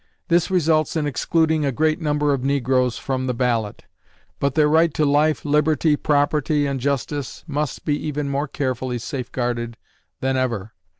This results in excluding a great number of negroes from the ballot, but their right to life, liberty, property, and justice must be even more carefully safeguarded than ever.